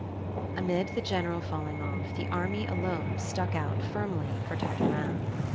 AMID the general falling off, the army alone stuck out firmly for Tartarin.